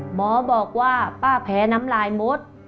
หมอบอกว่าป้าแพ้น้ำลายมด